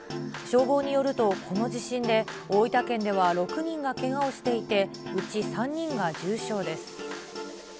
消防によると、この地震で大分県では６人がけがをしていて、うち３人が重傷です。